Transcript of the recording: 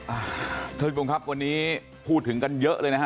ท่านผู้ชมครับวันนี้พูดถึงกันเยอะเลยนะฮะ